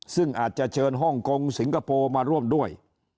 ซึ่งอาจจะเชิญฮ่องกงสิงคโปร์มาร่วมด้วย